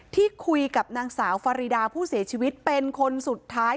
ที่คุยกับนางสาวฟารีดาผู้เสียชีวิตเป็นคนสุดท้าย